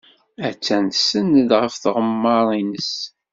Attan tsenned ɣef tɣemmar-nnes.